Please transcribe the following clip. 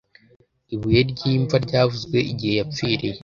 ibuye ry'imva ryavuze igihe yapfiriye.